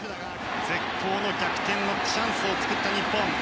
絶好の逆転のチャンスを作った日本。